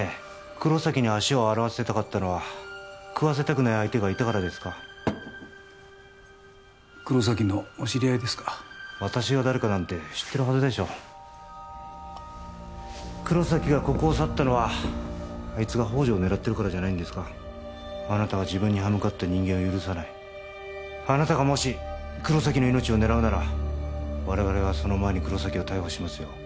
黒崎に足を洗わせたかったのは喰わせたくない相手がいたからですか黒崎のお知り合いですか私が誰かなんて知ってるはずでしょ黒崎がここを去ったのはあいつが宝条を狙ってるからじゃないんですかあなたは自分に刃向かった人間を許さないあなたがもし黒崎の命を狙うなら我々はその前に黒崎を逮捕しますよ